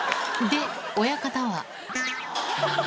で、親方は。